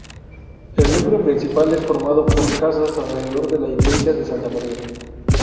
El núcleo principal es formado por casas alrededor de la iglesia de Santa Maria.